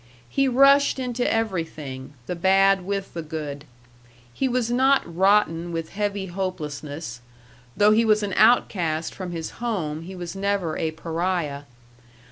He rushed into everything, the bad with the good. He was not rotten with heavy hopelessness; though he was an outcast from his home, he was never a pariah.